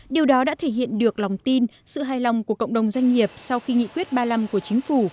điều đó đã thể hiện được lòng tin sự hài lòng của cộng đồng doanh nghiệp sau khi nghị quyết ba mươi năm của chính phủ